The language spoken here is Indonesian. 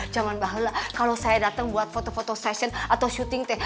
jaman bahala kalo saya dateng buat foto foto session atau shooting deh